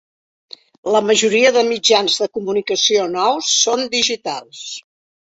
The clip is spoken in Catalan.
La majoria de mitjans de comunicació nous són digitals.